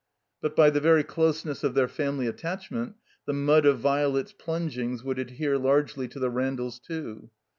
But, by the very closeness of their family attachment, the mud of Violet's plungings would adhere largely to the Randalls, too.